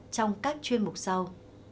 trong các chuyên mục sau